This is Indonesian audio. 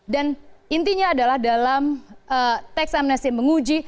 dan intinya adalah dalam teks amnesti menguji